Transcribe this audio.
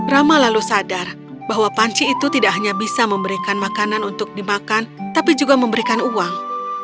rama lalu sadar bahwa panci itu tidak hanya bisa memberikan makanan untuk dimakan tapi juga memberikan uang